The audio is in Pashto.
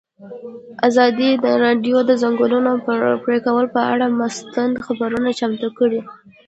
ازادي راډیو د د ځنګلونو پرېکول پر اړه مستند خپرونه چمتو کړې.